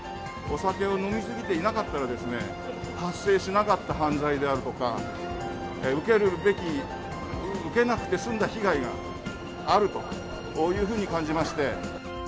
お酒を飲み過ぎていなかったらですね、発生しなかった犯罪であるとか、受けるべき、受けなくて済んだ被害があるというふうに感じまして。